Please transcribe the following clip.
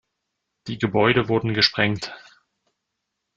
Die Gebäude wurden gesprengt.